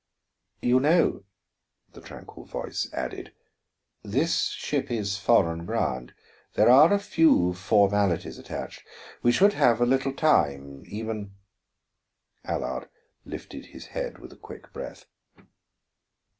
"You know," the tranquil voice added, "this ship is foreign ground. There are a few formalities attached. We should have a little time, even " Allard lifted his head with a quick breath.